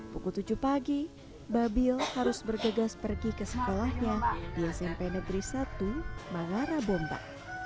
pukul tujuh pagi babil harus bergegas pergi ke sekolahnya di smp negeri satu mangara bomba